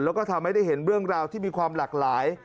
แล้วก็ทำให้ได้เห็นเรื่องราวที่มีความหลากหลาย